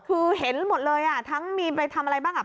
คือเห็นหมดเลยอ่ะทั้งมีไปทำอะไรบ้างอ่ะ